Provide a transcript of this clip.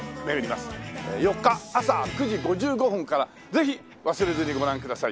４日朝９時５５分からぜひ忘れずにご覧ください！